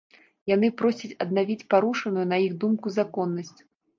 Яны просяць аднавіць парушаную, на іх думку, законнасць.